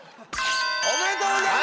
おめでとうございます！